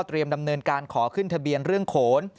ดำเนินการขอขึ้นทะเบียนเรื่องโขน